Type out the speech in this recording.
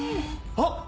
あっ！